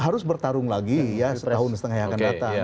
harus bertarung lagi ya setahun setengah yang akan datang